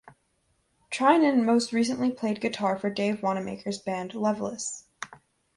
Trynin most recently played guitar for Dave Wanamaker's band Loveless.